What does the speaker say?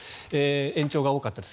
延長が多かったです